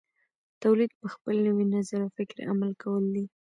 تولید په خپل نوي نظر او فکر عمل کول دي.